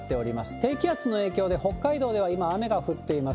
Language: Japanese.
低気圧の影響で北海道では今、雨が降っています。